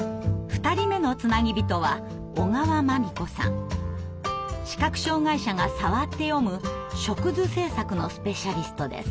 ２人目のつなぎびとは視覚障害者が触って読む触図製作のスペシャリストです。